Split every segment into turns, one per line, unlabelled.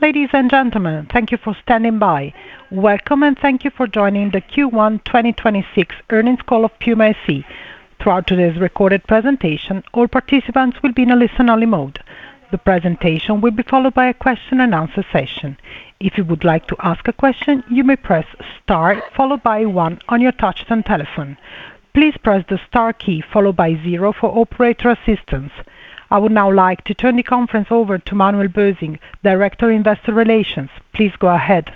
Ladies and gentlemen, thank you for standing by. Welcome and thank you for joining the Q1 2026 earnings call of PUMA SE. Throughout today's recorded presentation, all participants will be in a listen-only mode. The presentation will be followed by a question-and-answer session. If you would like to ask a question, you may press star followed by one on your touchtone telephone. Please press the star key followed by zero for operator assistance. I would now like to turn the conference over to Manuel Bösing, Director, Investor Relations. Please go ahead.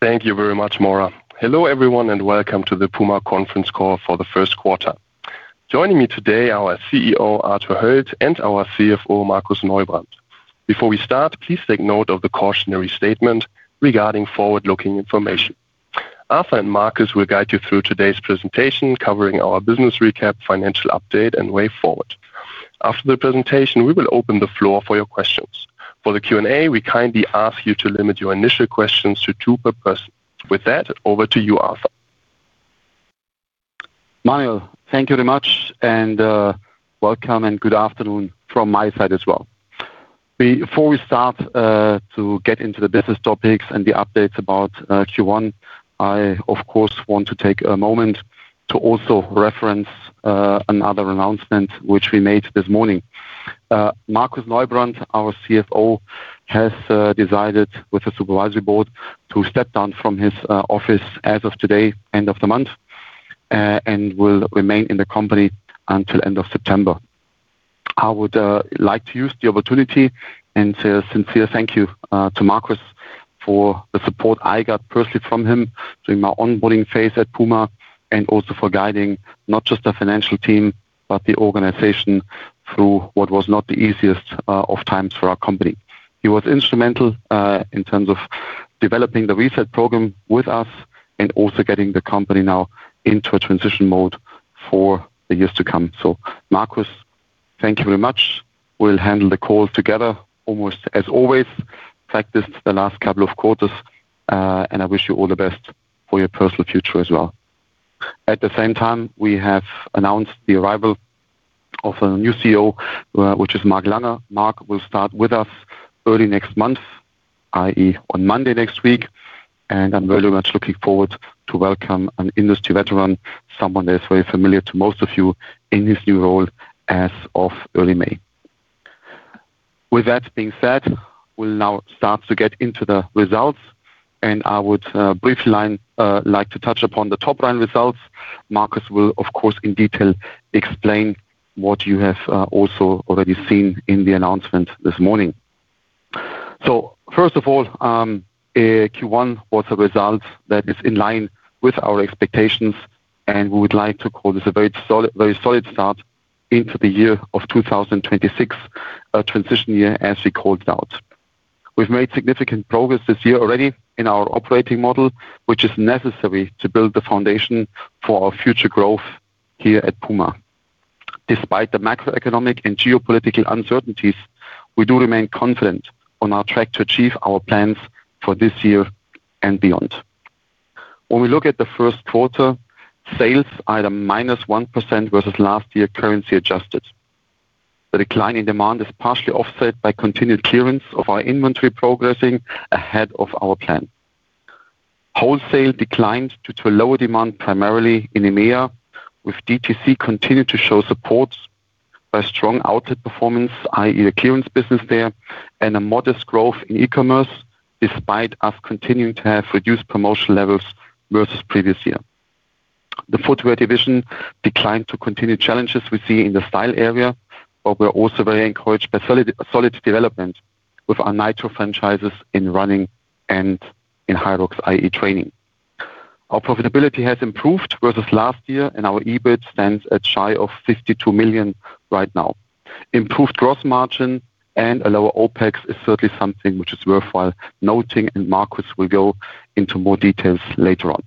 Thank you very much, Maura. Hello, everyone, and welcome to the PUMA conference call for the first quarter. Joining me today, our CEO, Arthur Hoeld, and our CFO, Markus Neubrand. Before we start, please take note of the cautionary statement regarding forward-looking information. Arthur and Markus will guide you through today's presentation covering our business recap, financial update, and way forward. After the presentation, we will open the floor for your questions. For the Q&A, we kindly ask you to limit your initial questions to two per person. With that, over to you, Arthur.
Manuel, thank you very much. Welcome and good afternoon from my side as well. Before we start to get into the business topics and the updates about Q1, I, of course, want to take a moment to also reference another announcement which we made this morning. Markus Neubrand, our CFO, has decided with the supervisory board to step down from his office as of today, end of the month, and will remain in the company until end of September. I would like to use the opportunity and say a sincere thank you to Markus for the support I got personally from him during my onboarding phase at PUMA, and also for guiding not just the financial team, but the organization through what was not the easiest of times for our company. He was instrumental in terms of developing the reset program with us and also getting the company now into a transition mode for the years to come. Markus, thank you very much. We'll handle the call together, almost as always, like this, the last couple of quarters. I wish you all the best for your personal future as well. At the same time, we have announced the arrival of a new CFO, which is Mark Langer. Mark will start with us early next month, i.e., on Monday next week. I'm very much looking forward to welcome an industry veteran, someone that is very familiar to most of you, in his new role as of early May. With that being said, we'll now start to get into the results. I would like to touch upon the top-line results. Markus will, of course, in detail explain what you have also already seen in the announcement this morning. First of all, Q1 was a result that is in line with our expectations, and we would like to call this a very solid start into the year of 2026, a transition year as we called out. We've made significant progress this year already in our operating model, which is necessary to build the foundation for our future growth here at PUMA. Despite the macroeconomic and geopolitical uncertainties, we do remain confident on our track to achieve our plans for this year and beyond. When we look at the first quarter, sales are at a -1% versus last year, currency adjusted. The decline in demand is partially offset by continued clearance of our inventory progressing ahead of our plan. Wholesale declined due to a lower demand, primarily in EMEA, with DTC continued to show support by strong outlet performance, i.e., the clearance business there, and a modest growth in e-commerce despite us continuing to have reduced promotional levels versus previous year. The footwear division declined to continued challenges we see in the style area, but we're also very encouraged by solid development with our NITRO franchises in running and in HYROX, i.e., training. Our profitability has improved versus last year, and our EBIT stands at shy of 52 million right now. Improved gross margin and a lower OpEx is certainly something which is worthwhile noting, and Markus will go into more details later on.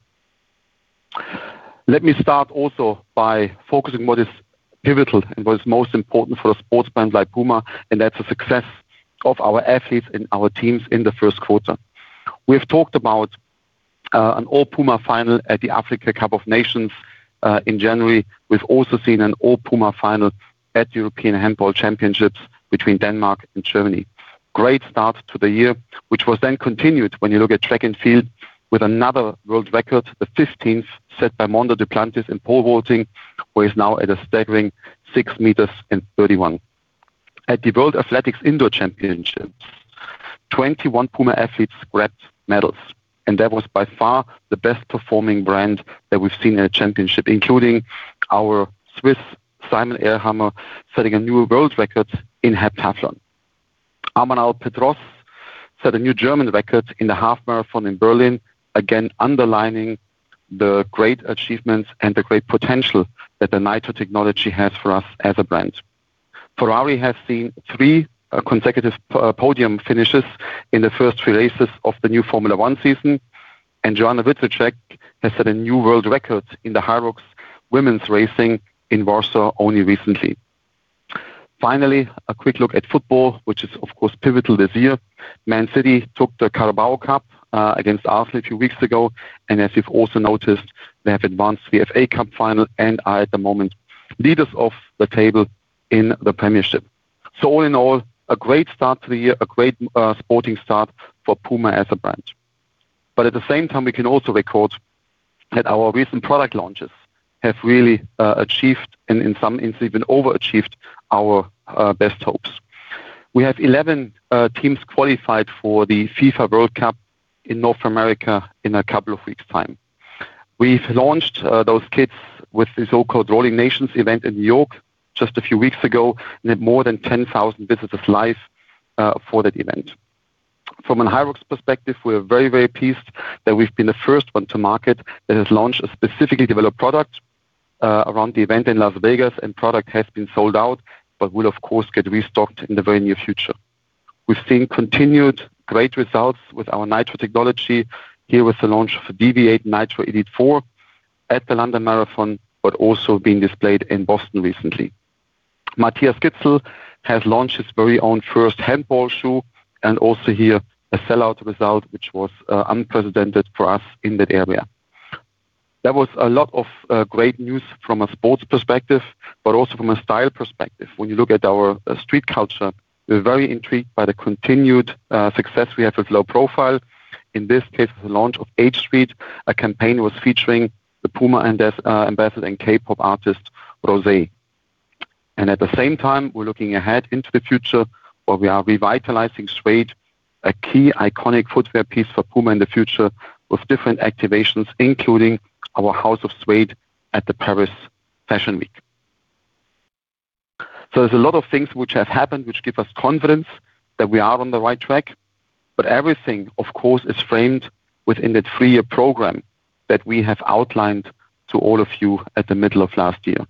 Let me start also by focusing what is pivotal and what is most important for a sports brand like PUMA, and that's the success of our athletes and our teams in the first quarter. We've talked about an all-PUMA final at the Africa Cup of Nations in January. We've also seen an all-PUMA final at European Men's Handball Championship between Denmark and Germany. Great start to the year, which was then continued when you look at track and field with another world record, the 15th set by Mondo Duplantis in pole vaulting, where he's now at a staggering 6 meters and 31. At the World Athletics Indoor Championships, 21 PUMA athletes grabbed medals, and that was by far the best performing brand that we've seen in a championship, including our Swiss Simon Ehammer setting a new world record in heptathlon. Amanal Petros set a new German record in the half-marathon in Berlin, again underlining the great achievements and the great potential that the NITRO technology has for us as a brand. Ferrari has seen three consecutive podium finishes in the first three races of the new Formula One season, and Joanna Wietrzyk has set a new world record in the HYROX women's racing in Warsaw only recently. A quick look at football, which is, of course, pivotal this year. Man City took the Carabao Cup against Arsenal a few weeks ago, and as you've also noticed, they have advanced to the FA Cup final and are at the moment leaders of the table in the Premiership. All in all, a great start to the year, a great sporting start for PUMA as a brand. At the same time, we can also record that our recent product launches have really achieved, and in some instances even over-achieved our best hopes. We have 11 teams qualified for the FIFA World Cup in North America in a couple of weeks' time. We've launched those kits with the so-called Rolling Nations event in New York just a few weeks ago, and had more than 10,000 visitors live for that event. From a HYROX perspective, we're very, very pleased that we've been the first one to market that has launched a specifically developed product around the event in Las Vegas, and product has been sold out, but will of course, get restocked in the very near future. We've seen continued great results with our NITRO technology here with the launch of Deviate NITRO Elite 4 at the London Marathon, but also being displayed in Boston recently. Mathias Gidsel has launched his very own first handball shoe, and also here a sellout result, which was unprecedented for us in that area. That was a lot of great news from a sports perspective, but also from a style perspective. When you look at our street culture, we're very intrigued by the continued success we have with Low Profile. In this case, with the launch of H-Street, a campaign was featuring the PUMA ambassador and K-pop artist, Rosé. At the same time, we're looking ahead into the future, where we are revitalizing Suede, a key iconic footwear piece for PUMA in the future with different activations, including our House of Suede at the Paris Fashion Week. There's a lot of things which have happened, which give us confidence that we are on the right track, but everything, of course, is framed within that three-year program that we have outlined to all of you at the middle of last year.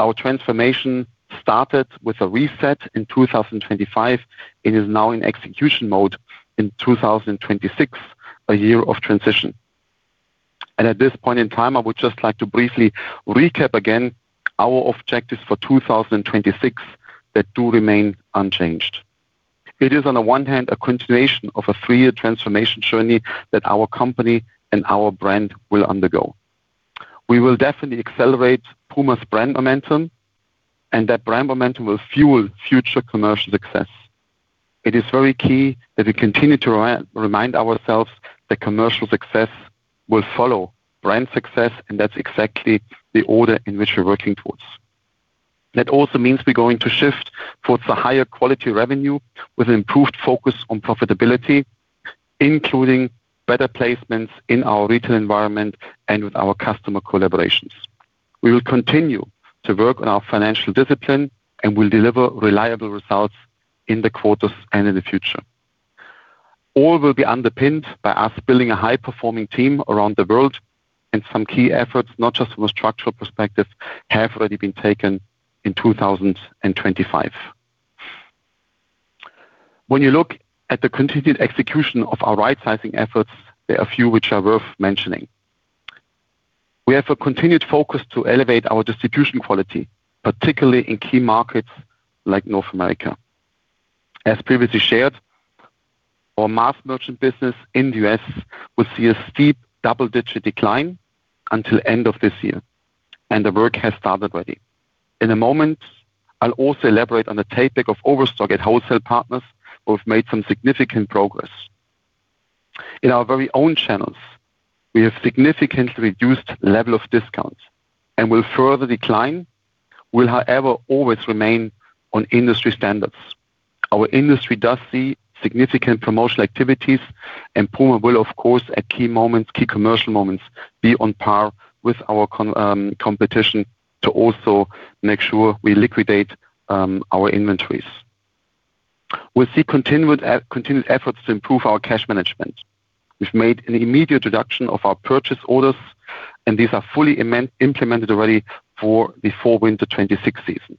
Our transformation started with a reset in 2025. It is now in execution mode in 2026, a year of transition. At this point in time, I would just like to briefly recap again our objectives for 2026 that do remain unchanged. It is, on the one hand, a continuation of a -year transformation journey that our company and our brand will undergo. We will definitely accelerate PUMA's brand momentum, and that brand momentum will fuel future commercial success. It is very key that we continue to remind ourselves that commercial success will follow brand success, and that's exactly the order in which we're working towards. That also means we're going to shift towards a higher quality revenue with improved focus on profitability, including better placements in our retail environment and with our customer collaborations. We will continue to work on our financial discipline and will deliver reliable results in the quarters and in the future. All will be underpinned by us building a high-performing team around the world, and some key efforts, not just from a structural perspective, have already been taken in 2025. When you look at the continued execution of our right-sizing efforts, there are a few which are worth mentioning. We have a continued focus to elevate our distribution quality, particularly in key markets like North America. As previously shared, our mass merchant business in the U.S. will see a steep double-digit decline until end of this year, and the work has started already. In a moment, I'll also elaborate on the take-back of overstock at wholesale partners. We've made some significant progress. In our very own channels, we have significantly reduced level of discounts and will further decline, will, however, always remain on industry standards. Our industry does see significant promotional activities, and PUMA will, of course, at key moments, key commercial moments, be on par with our competition to also make sure we liquidate our inventories. We see continued efforts to improve our cash management. We've made an immediate reduction of our purchase orders, and these are fully implemented already for before winter 2026 season.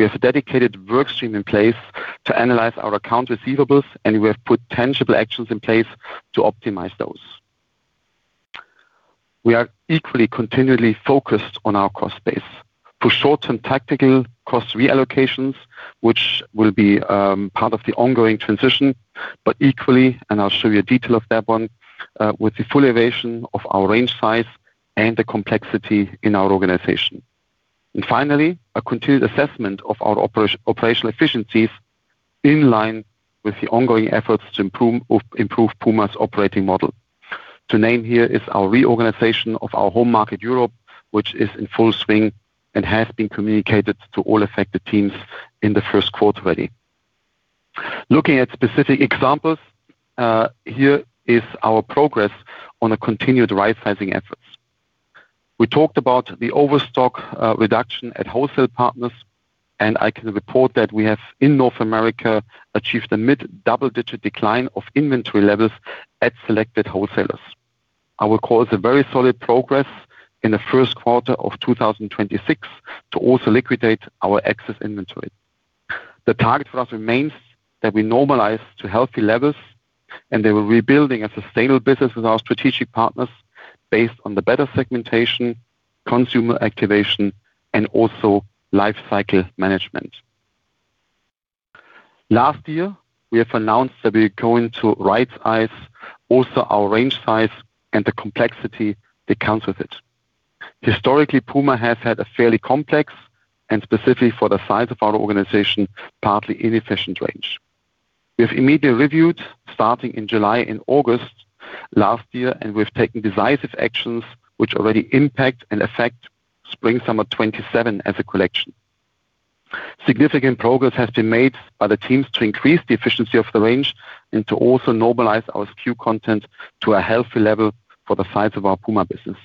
We have a dedicated work stream in place to analyze our account receivables, and we have put tangible actions in place to optimize those. We are equally continually focused on our cost base. For short-term tactical cost reallocations, which will be part of the ongoing transition, but equally, and I'll show you a detail of that one, with the full elevation of our range size and the complexity in our organization. Finally, a continued assessment of our operational efficiencies in line with the ongoing efforts to improve PUMA's operating model. To name here is our reorganization of our home market, Europe, which is in full swing and has been communicated to all affected teams in the first quarter already. Looking at specific examples, here is our progress on the continued right-sizing efforts. We talked about the overstock reduction at wholesale partners, and I can report that we have, in North America, achieved a mid-double-digit decline of inventory levels at selected wholesalers. I will call it a very solid progress in the first quarter of 2026 to also liquidate our excess inventory. The target for us remains that we normalize to healthy levels, and they were rebuilding a sustainable business with our strategic partners based on the better segmentation, consumer activation, and also lifecycle management. Last year, we have announced that we're going to rightsize also our range size and the complexity that comes with it. Historically, PUMA has had a fairly complex and specific for the size of our organization, partly inefficient range. We have immediately reviewed starting in July and August last year, and we've taken decisive actions which already impact and affect spring/summer 2027 as a collection. Significant progress has been made by the teams to increase the efficiency of the range and to also normalize our SKU content to a healthy level for the size of our PUMA business.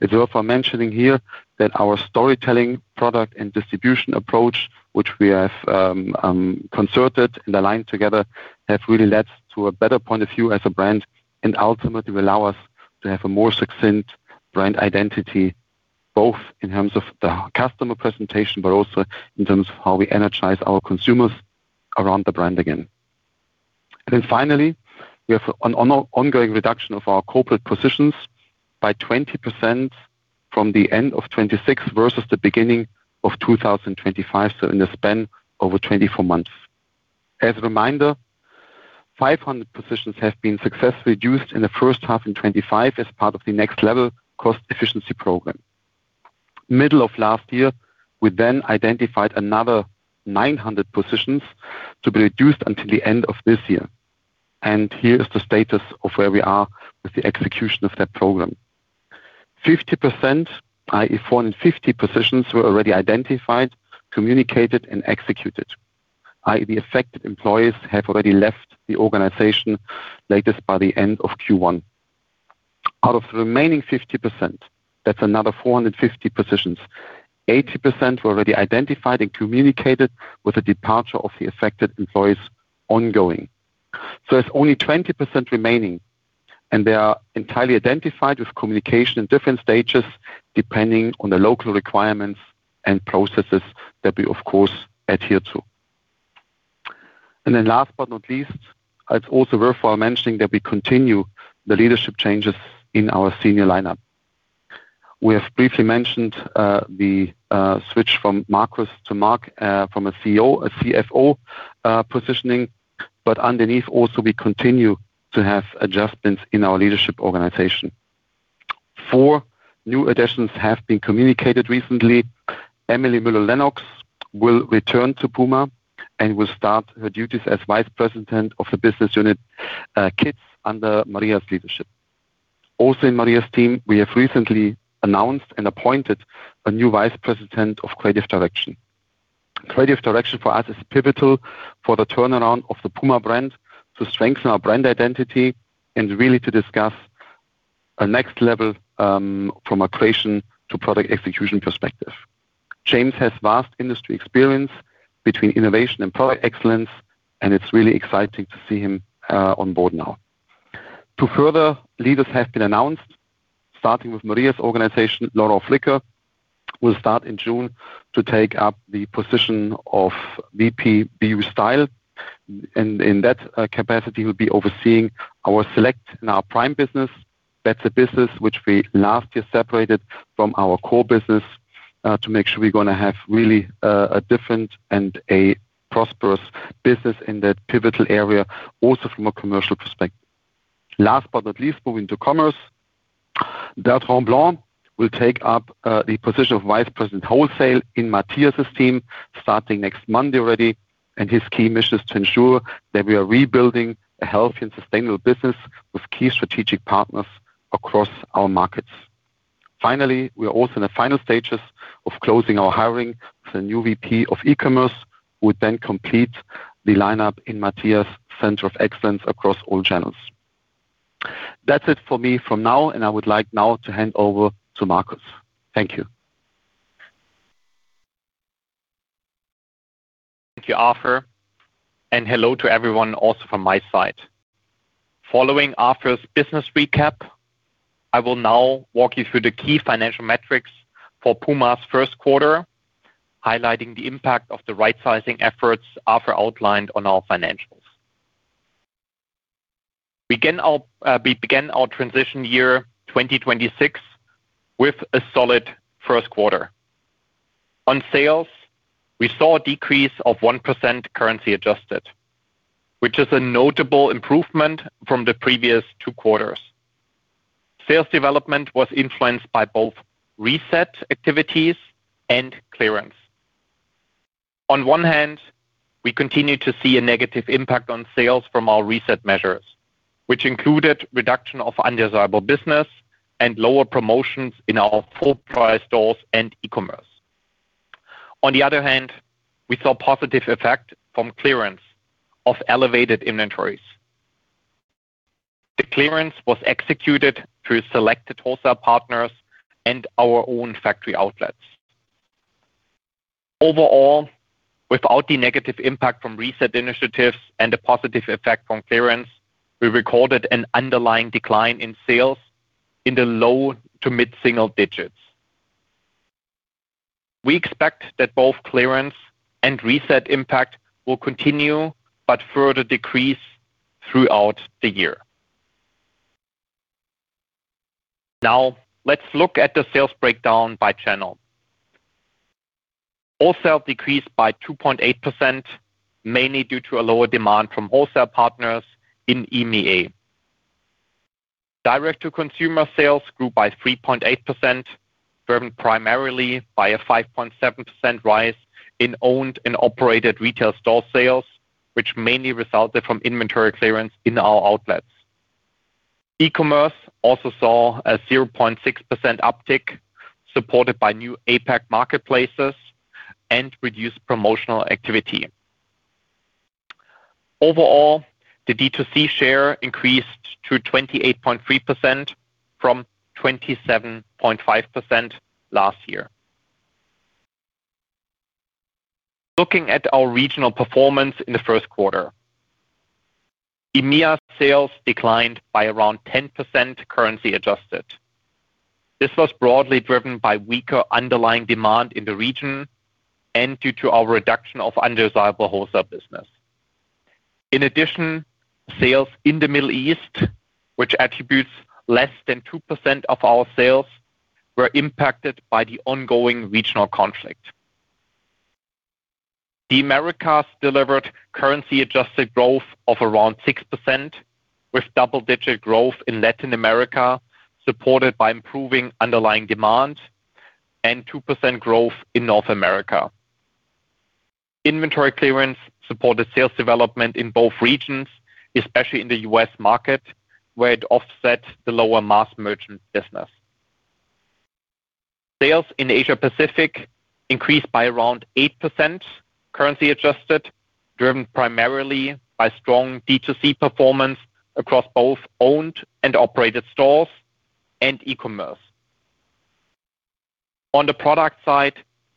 It's worth mentioning here that our storytelling product and distribution approach, which we have concerted and aligned together, have really led to a better point of view as a brand and ultimately will allow us to have a more succinct brand identity, both in terms of the customer presentation but also in terms of how we energize our consumers around the brand again. Finally, we have an ongoing reduction of our corporate positions by 20% from the end of 2026 versus the beginning of 2025, so in a span over 24 months. As a reminder, 500 positions have been successfully reduced in the first half in 2025 as part of the nextlevel cost efficiency program. Middle of last year, we then identified another 900 positions to be reduced until the end of this year. Here is the status of where we are with the execution of that program. 50%, i.e., 450 positions were already identified, communicated, and executed, i.e., the affected employees have already left the organization latest by the end of Q1. Out of the remaining 50%, that's another 450 positions. 80% were already identified and communicated with the departure of the affected employees ongoing. There's only 20% remaining, and they are entirely identified with communication in different stages, depending on the local requirements and processes that we, of course, adhere to. Last but not least, it's also worthwhile mentioning that we continue the leadership changes in our senior lineup. We have briefly mentioned the switch from Markus to Mark, from a CFO positioning, but underneath also we continue to have adjustments in our leadership organization. Four new additions have been communicated recently. Emily Mueller-Lennox will return to PUMA and will start her duties as Vice President of the Business Unit Kids under Maria's leadership. Also in Maria's team, we have recently announced and appointed a new Vice President Creative Direction. Creative direction for us is pivotal for the turnaround of the PUMA brand to strengthen our brand identity and really to discuss a nextlevel from a creation to product execution perspective. James has vast industry experience between innovation and product excellence, and it's really exciting to see him on board now. Two further leaders have been announced, starting with Maria's organization. Laurent Fricker will start in June to take up the position of VP Sportstyle, and in that capacity, will be overseeing our select and our prime business. That's a business which we last year separated from our core business to make sure we're gonna have really a different and prosperous business in that pivotal area, also from a commercial perspective. Last but not least, moving to commerce. Bertrand Blanc will take up the position of Vice President Wholesale in Matthias' team starting next Monday already. His key mission is to ensure that we are rebuilding a healthy and sustainable business with key strategic partners across our markets. Finally, we are also in the final stages of closing our hiring for the new VP of e-commerce, who would then complete the lineup in Matthias' centre of excellence across all channels. That's it for me from now, and I would like now to hand over to Markus. Thank you.
Thank you, Arthur, and hello to everyone, also from my side. Following Arthur's business recap, I will now walk you through the key financial metrics for PUMA's first quarter, highlighting the impact of the right-sizing efforts Arthur outlined on our financials. We began our transition year 2026 with a solid first quarter. On sales, we saw a decrease of 1% currency adjusted, which is a notable improvement from the previous two quarters. Sales development was influenced by both reset activities and clearance. On one hand, we continued to see a negative impact on sales from our reset measures, which included reduction of undesirable business and lower promotions in our full price stores and e-commerce. On the other hand, we saw positive effect from clearance of elevated inventories. The clearance was executed through selected wholesale partners and our own factory outlets. Overall, without the negative impact from reset initiatives and the positive effect from clearance, we recorded an underlying decline in sales in the low to mid-single digits. We expect that both clearance and reset impact will continue, but further decrease throughout the year. Let's look at the sales breakdown by channel. Wholesale decreased by 2.8%, mainly due to a lower demand from wholesale partners in EMEA. Direct-to-Consumer sales grew by 3.8%, driven primarily by a 5.7% rise in owned and operated retail store sales, which mainly resulted from inventory clearance in our outlets. E-commerce also saw a 0.6% uptick, supported by new APAC marketplaces and reduced promotional activity. The D2C share increased to 28.3% from 27.5% last year. Looking at our regional performance in the first quarter, EMEA sales declined by around 10% currency adjusted. This was broadly driven by weaker underlying demand in the region, and due to our reduction of undesirable wholesale business. Sales in the Middle East, which attributes less than 2% of our sales, were impacted by the ongoing regional conflict. The Americas delivered currency-adjusted growth of around 6%, with double-digit growth in Latin America, supported by improving underlying demand and 2% growth in North America. Inventory clearance supported sales development in both regions, especially in the U.S. market, where it offset the lower mass merchant business. Sales in Asia-Pacific increased by around 8% currency adjusted, driven primarily by strong D2C performance across both owned and operated stores and e-commerce. On the product side,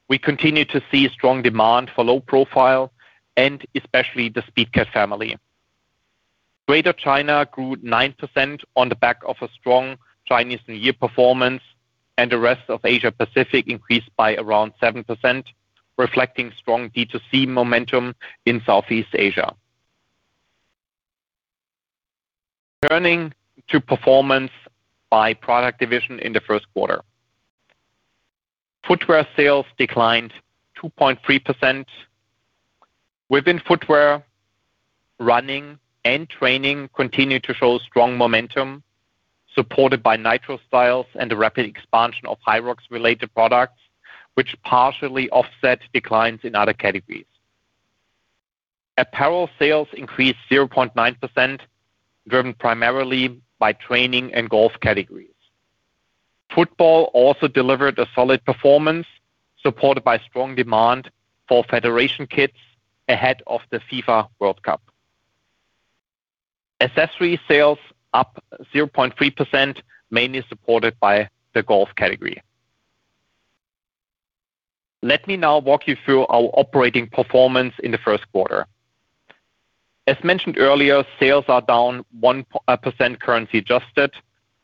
we continue to see strong demand for Low Profile and especially the Speedcat family. Greater China grew 9% on the back of a strong Chinese New Year performance, and the rest of Asia-Pacific increased by around 7%, reflecting strong D2C momentum in Southeast Asia. Turning to performance by product division in the first quarter. Footwear sales declined 2.3%. Within footwear, running and training continued to show strong momentum, supported by NITRO styles and the rapid expansion of HYROX-related products, which partially offset declines in other categories. Apparel sales increased 0.9%, driven primarily by training and golf categories. Football also delivered a solid performance, supported by strong demand for federation kits ahead of the FIFA World Cup. Accessory sales up 0.3%, mainly supported by the golf category. Let me now walk you through our operating performance in the first quarter. As mentioned earlier, sales are down 1% currency adjusted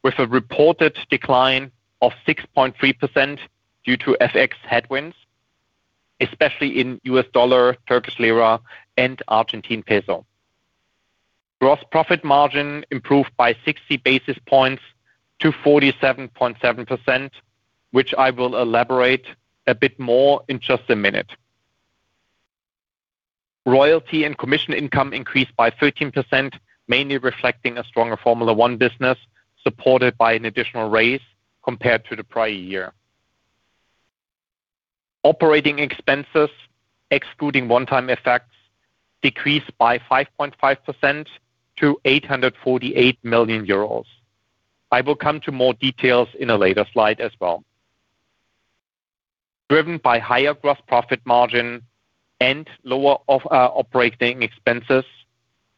with a reported decline of 6.3% due to FX headwinds, especially in U.S. dollar, Turkish lira and Argentine peso. Gross profit margin improved by 60 basis points to 47.7%, which I will elaborate a bit more in just a minute. Royalty and commission income increased by 13%, mainly reflecting a stronger Formula One business, supported by an additional raise compared to the prior year. Operating expenses, excluding one-time effects, decreased by 5.5% to 848 million euros. I will come to more details in a later slide as well. Driven by higher gross profit margin and lower operating expenses,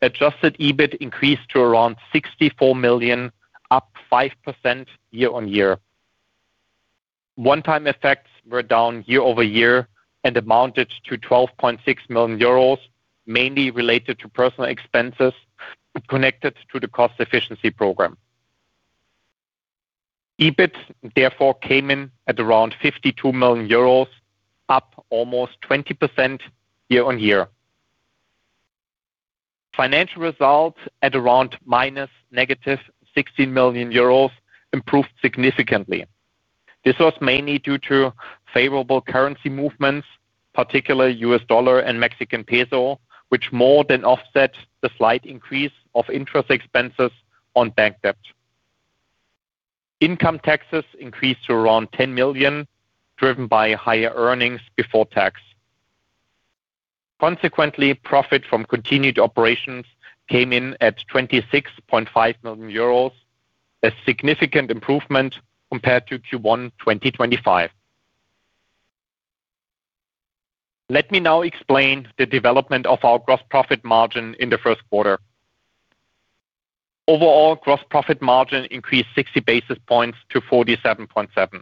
adjusted EBIT increased to around 64 million, up 5% year-on-year. One-time effects were down year-over-year and amounted to 12.6 million euros, mainly related to personal expenses connected to the cost efficiency program. EBIT therefore came in at around 52 million euros, up almost 20% year-on-year. Financial results at around -60 million euros improved significantly. This was mainly due to favorable currency movements, particularly U.S. dollar and Mexican peso, which more than offset the slight increase of interest expenses on bank debt. Income taxes increased to around 10 million, driven by higher earnings before tax. Consequently, profit from continued operations came in at 26.5 million euros, a significant improvement compared to Q1 2025. Let me now explain the development of our gross profit margin in the first quarter. Overall, gross profit margin increased 60 basis points to 47.7%.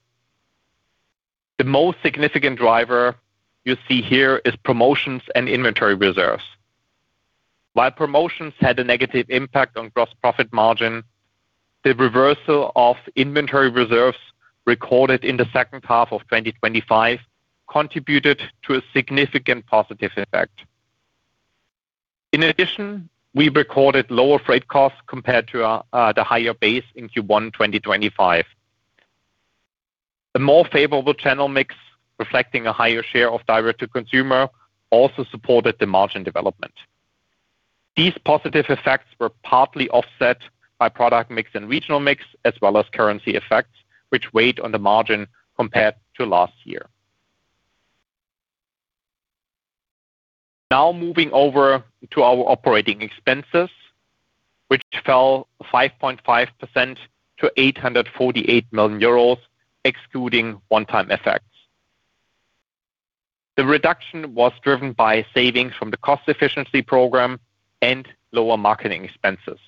The most significant driver you see here is promotions and inventory reserves. While promotions had a negative impact on gross profit margin, the reversal of inventory reserves recorded in the second half of 2025 contributed to a significant positive effect. In addition, we recorded lower freight costs compared to the higher base in Q1 2025. A more favorable channel mix reflecting a higher share of Direct-to-Consumer also supported the margin development. These positive effects were partly offset by product mix and regional mix, as well as currency effects, which weighed on the margin compared to last year. Moving over to our operating expenses, which fell 5.5% to 848 million euros, excluding one-time effects. The reduction was driven by savings from the cost efficiency program and lower marketing expenses.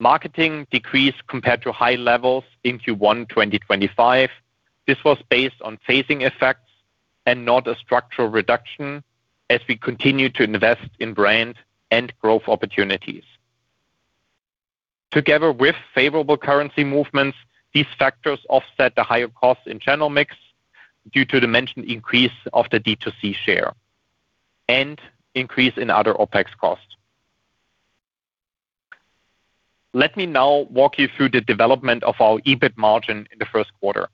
Marketing decreased compared to high levels in Q1 2025. This was based on phasing effects and not a structural reduction, as we continue to invest in brand and growth opportunities. Together with favorable currency movements, these factors offset the higher costs in channel mix due to the mentioned increase of the D2C share and increase in other OpEx costs. Let me now walk you through the development of our EBIT margin in the first quarter.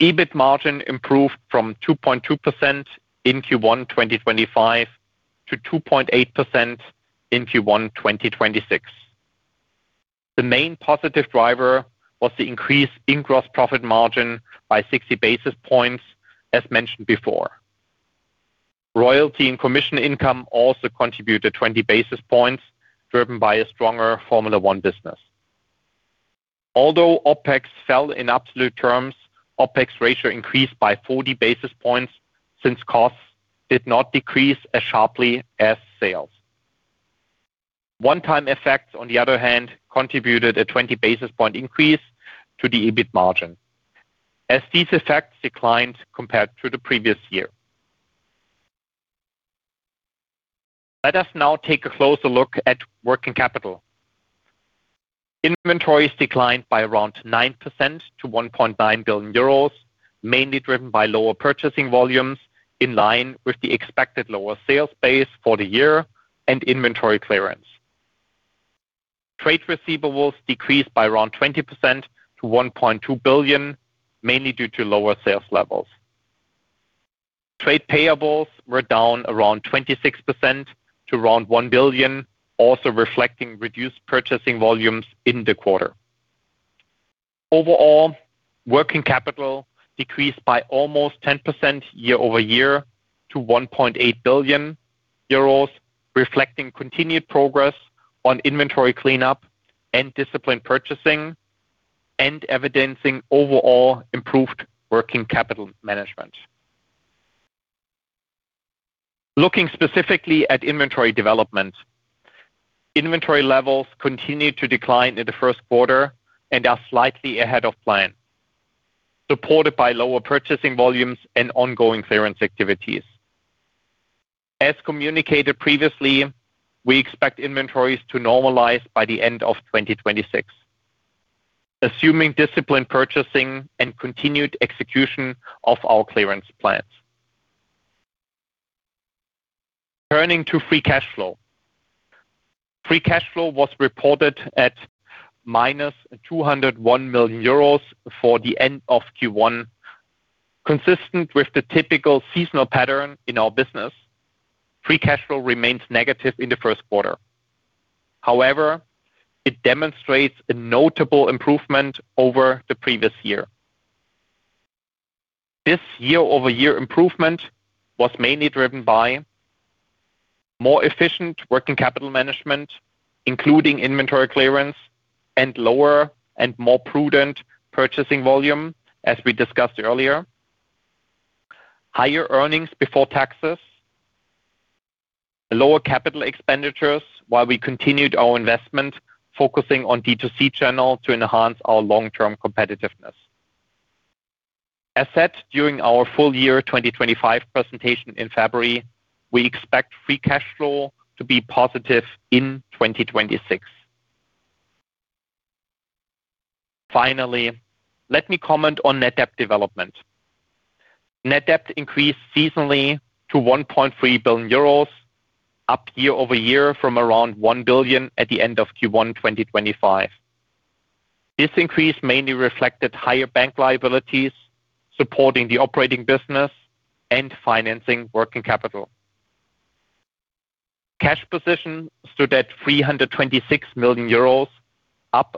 EBIT margin improved from 2.2% in Q1 2025 to 2.8% in Q1 2026. The main positive driver was the increase in gross profit margin by 60 basis points, as mentioned before. Royalty and commission income also contributed 20 basis points, driven by a stronger Formula One business. Although OpEx fell in absolute terms, OpEx ratio increased by 40 basis points since costs did not decrease as sharply as sales. One-time effects, on the other hand, contributed a 20 basis point increase to the EBIT margin as these effects declined compared to the previous year. Let us now take a closer look at working capital. Inventories declined by around 9% to 1.9 billion euros, mainly driven by lower purchasing volumes in line with the expected lower sales base for the year and inventory clearance. Trade receivables decreased by around 20% to 1.2 billion, mainly due to lower sales levels. Trade payables were down around 26% to around 1 billion, also reflecting reduced purchasing volumes in the quarter. Overall, working capital decreased by almost 10% year-over-year to 1.8 billion euros, reflecting continued progress on inventory cleanup and disciplined purchasing and evidencing overall improved working capital management. Looking specifically at inventory development, inventory levels continued to decline in the first quarter and are slightly ahead of plan, supported by lower purchasing volumes and ongoing clearance activities. As communicated previously, we expect inventories to normalize by the end of 2026, assuming disciplined purchasing and continued execution of our clearance plans. Turning to free cash flow. Free cash flow was reported at -201 million euros for the end of Q1. Consistent with the typical seasonal pattern in our business, free cash flow remains negative in the first quarter. However, it demonstrates a notable improvement over the previous year. This year-over-year improvement was mainly driven by more efficient working capital management, including inventory clearance and lower and more prudent purchasing volume, as we discussed earlier, higher EBIT, lower capital expenditures, while we continued our investment focusing on D2C channel to enhance our long-term competitiveness. As said during our full-year 2025 presentation in February, we expect free cash flow to be positive in 2026. Finally, let me comment on net debt development. Net debt increased seasonally to 1.3 billion euros, up year-over-year from around 1 billion at the end of Q1 2025. This increase mainly reflected higher bank liabilities supporting the operating business and financing working capital. Cash position stood at 326 million euros, up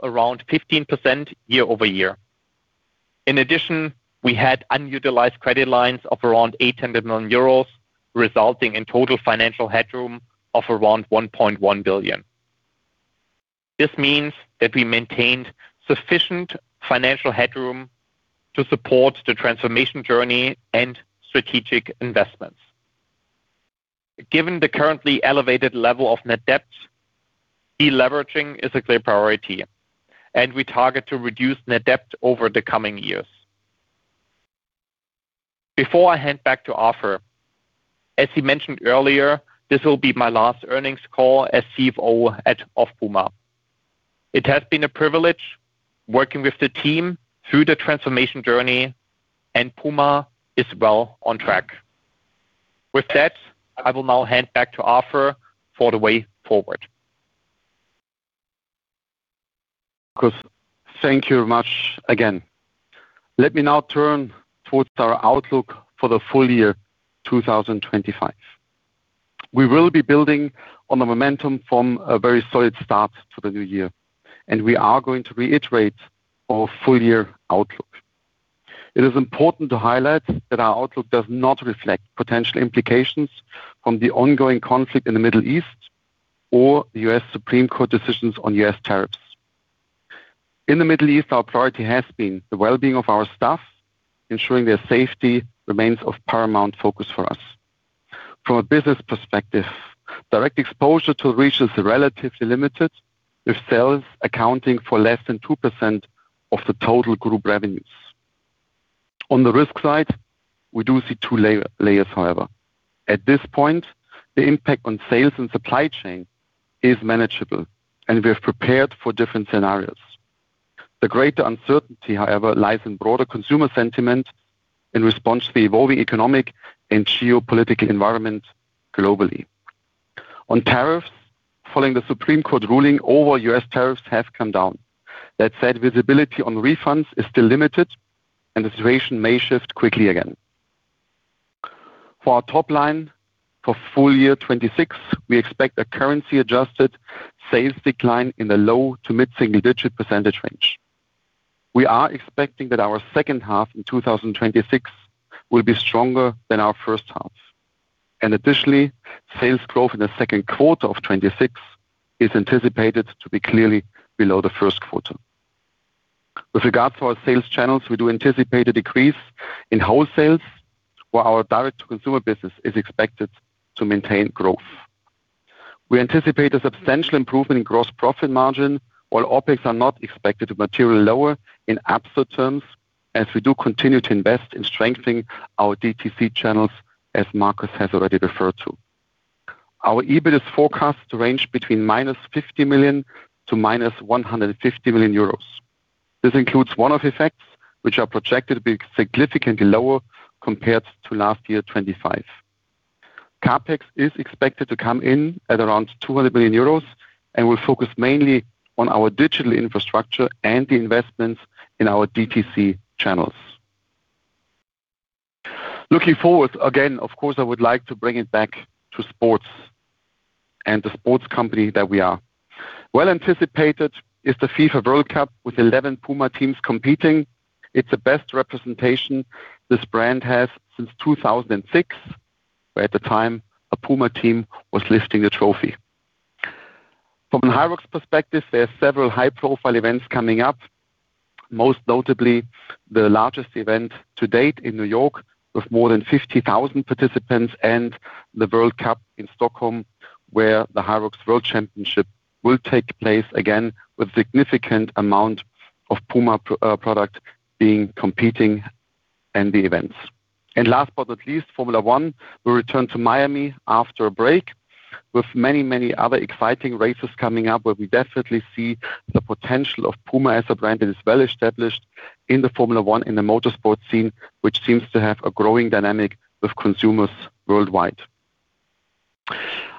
around 15% year-over-year. In addition, we had unutilized credit lines of around 800 million euros, resulting in total financial headroom of around 1.1 billion. This means that we maintained sufficient financial headroom to support the transformation journey and strategic investments. Given the currently elevated level of net debt, deleveraging is a clear priority, and we target to reduce net debt over the coming years. Before I hand back to Arthur, as he mentioned earlier, this will be my last earnings call as CFO at PUMA. It has been a privilege working with the team through the transformation journey. PUMA is well on track. With that, I will now hand back to Arthur for the way forward.
Of course. Thank you very much again. Let me now turn towards our outlook for the full year 2025. We will be building on the momentum from a very solid start to the new year. We are going to reiterate our full-year outlook. It is important to highlight that our outlook does not reflect potential implications from the ongoing conflict in the Middle East or the U.S. Supreme Court decisions on U.S. tariffs. In the Middle East, our priority has been the well-being of our staff, ensuring their safety remains of paramount focus for us. From a business perspective, direct exposure to the region is relatively limited, with sales accounting for less than 2% of the total group revenues. On the risk side, we do see two layers, however. At this point, the impact on sales and supply chain is manageable, and we're prepared for different scenarios. The greater uncertainty, however, lies in broader consumer sentiment in response to the evolving economic and geopolitical environment globally. On tariffs, following the Supreme Court ruling over U.S. tariffs have come down. That said, visibility on refunds is still limited, and the situation may shift quickly again. For our top line for full year 2026, we expect a currency-adjusted sales decline in the low to mid-single digit percentage range. We are expecting that our second half in 2026 will be stronger than our first half. Additionally, sales growth in the second quarter of 2026 is anticipated to be clearly below the first quarter. With regards to our sales channels, we do anticipate a decrease in wholesales while our Direct-to-Consumer business is expected to maintain growth. We anticipate a substantial improvement in gross profit margin, while OpEx are not expected to materially lower in absolute terms as we do continue to invest in strengthening our DTC channels, as Markus has already referred to. Our EBIT is forecast to range between -50 million to -150 million euros. This includes one-off effects, which are projected to be significantly lower compared to last year, 2025. CapEx is expected to come in at around 200 million euros and will focus mainly on our digital infrastructure and the investments in our DTC channels. Looking forward, again, of course, I would like to bring it back to sports and the sports company that we are. Well anticipated is the FIFA World Cup with 11 PUMA teams competing. It's the best representation this brand has since 2006, where at the time, a PUMA team was lifting the trophy. From HYROX perspective, there are several high-profile events coming up, most notably the largest event to date in New York, with more than 50,000 participants and the World Cup in Stockholm, where the HYROX World Championship will take place again with significant amount of PUMA product being competing in the events. Last but not least, Formula One will return to Miami after a break with many other exciting races coming up where we definitely see the potential of PUMA as a brand that is well established in the Formula One, in the motorsport scene, which seems to have a growing dynamic with consumers worldwide.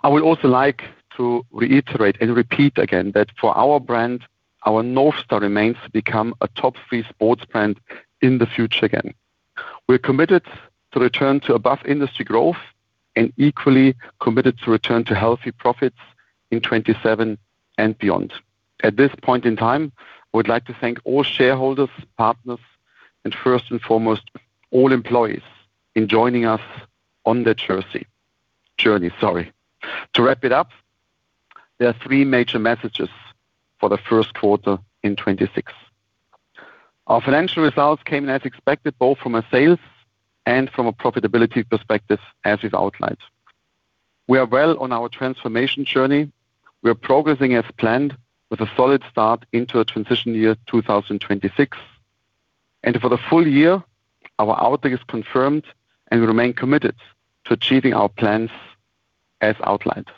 I would also like to reiterate and repeat again that for our brand, our North Star remains to become a top three sports brand in the future again. We're committed to return to above-industry growth and equally committed to return to healthy profits in 2027 and beyond. At this point in time, we'd like to thank all shareholders, partners, and, first and foremost, all employees in joining us on the journey. To wrap it up, there are three major messages for the first quarter in 2026. Our financial results came in as expected, both from a sales and from a profitability perspective, as we've outlined. We are well on our transformation journey. We are progressing as planned with a solid start into a transition year, 2026. For the full year, our outlook is confirmed, and we remain committed to achieving our plans as outlined.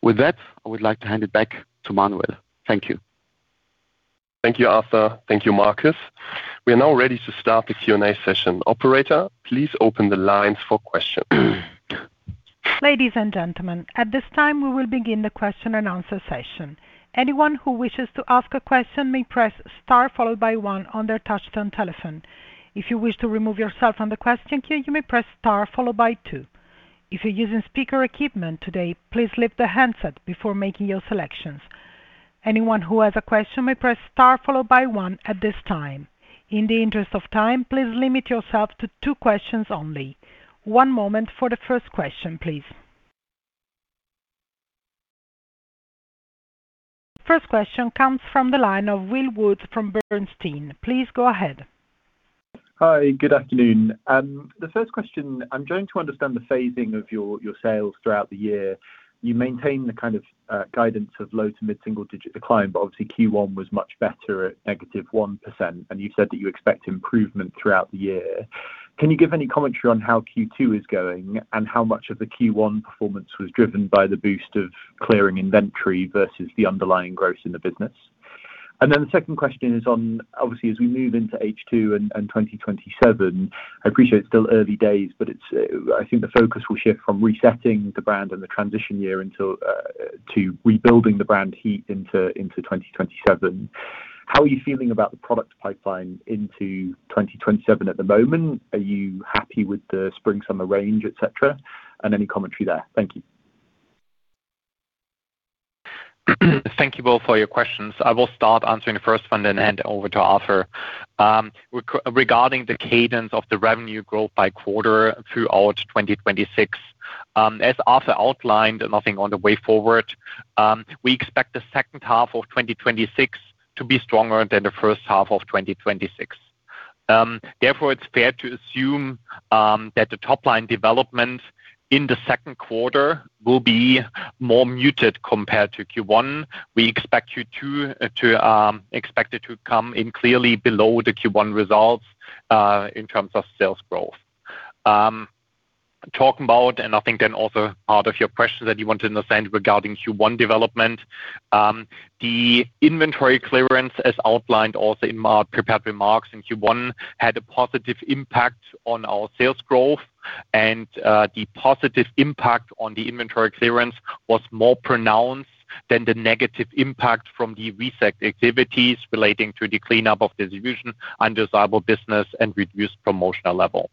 With that, I would like to hand it back to Manuel. Thank you.
Thank you, Arthur. Thank you, Markus. We are now ready to start the Q&A session. Operator, please open the lines for questions.
In the interest of time, please limit yourself to two questions only. One moment for the first question, please. First question comes from the line of Will Wood from Bernstein. Please go ahead.
Hi. Good afternoon. The first question, I'm trying to understand the phasing of your sales throughout the year. You maintain the kind of guidance of low to mid-single digit decline, obviously, Q1 was much better at -1%, and you said that you expect improvement throughout the year. Can you give any commentary on how Q2 is going and how much of the Q1 performance was driven by the boost of clearing inventory versus the underlying growth in the business? The second question is on, obviously, as we move into H2 and 2027, I appreciate it's still early days. I think the focus will shift from resetting the brand and the transition year until to rebuilding the brand heat into 2027. How are you feeling about the product pipeline into 2027 at the moment? Are you happy with the spring/summer range, et cetera? Any commentary there. Thank you.
Thank you both for your questions. I will start answering the first one, then hand over to Arthur. Regarding the cadence of the revenue growth by quarter throughout 2026, as Arthur outlined, I think on the way forward, we expect the second half of 2026 to be stronger than the first half of 2026. Therefore, it's fair to assume that the top-line development in the second quarter will be more muted compared to Q1. We expect Q2 to expect it to come in clearly below the Q1 results in terms of sales growth. Talking about, and I think then also part of your question that you want to understand regarding Q1 development, the inventory clearance, as outlined also in my prepared remarks in Q1, had a positive impact on our sales growth and the positive impact on the inventory clearance was more pronounced than the negative impact from the reset activities relating to the cleanup of the division undesirable business and reduced promotional level.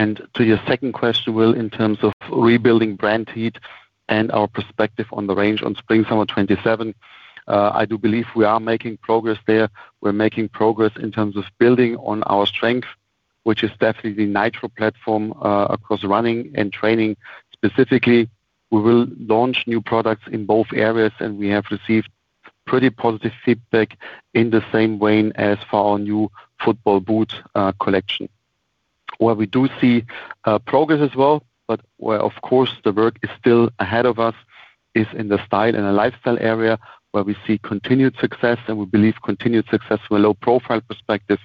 To your second question, Will, in terms of rebuilding brand heat and our perspective on the range on spring/summer 2027, I do believe we are making progress there. We're making progress in terms of building on our strength, which is definitely the NITRO platform, across running and training. Specifically, we will launch new products in both areas, and we have received pretty positive feedback in the same vein as for our new football boot collection. Where we do see progress as well, but where of course the work is still ahead of us, is in the style and the lifestyle area, where we see continued success, and we believe continued success from a Low Profile perspective